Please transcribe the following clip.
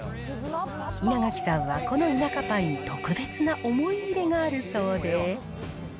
稲垣さんはこの田舎パイに特別な思い入れがあるそうで。